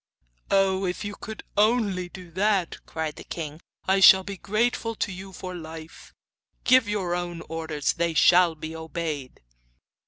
'Oh, if you can only do that,' cried the king, 'I shall be grateful to you for life! Give your own orders; they shall be obeyed.